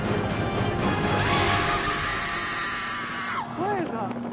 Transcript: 声が。